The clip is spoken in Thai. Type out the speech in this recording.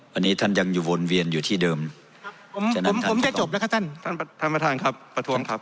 วันนี้ท่านยังอยู่วนเวียนอยู่ที่เดิมผมจะจบแล้วครับท่านท่านประธานครับ